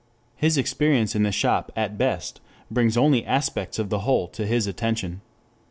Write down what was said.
His experience in the shop at best brings only aspects of the whole to his attention.